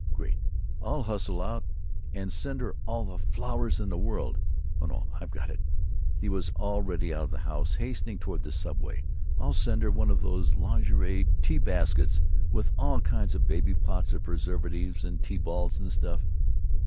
Great! I'll hustle out and send her all the flowers in the world. Or, no. I've got it." He was already out of the house, hastening toward the subway. "I'll send her one of these lingerie tea baskets with all kinds of baby pots of preserves and tea balls and stuff....